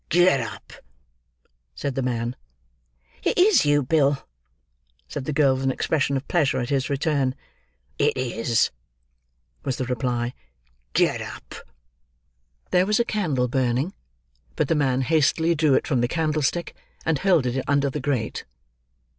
"Get up!" said the man. "It is you, Bill!" said the girl, with an expression of pleasure at his return. "It is," was the reply. "Get up." There was a candle burning, but the man hastily drew it from the candlestick, and hurled it under the grate.